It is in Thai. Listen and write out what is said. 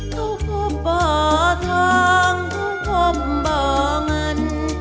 ทุกครับบ่อทองทุกครับบ่อเงิน